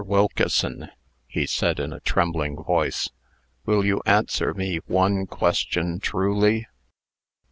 Wilkeson," he said, in a trembling voice, "will you answer me one question truly?"